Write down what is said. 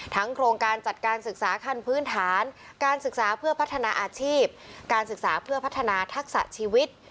โครงการจัดการศึกษาขั้นพื้นฐานการศึกษาเพื่อพัฒนาอาชีพการศึกษาเพื่อพัฒนาทักษะชีวิต